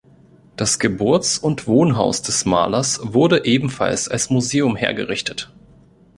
Das Geburts- und Wohnhaus des Malers wurde ebenfalls als Museum hergerichtet.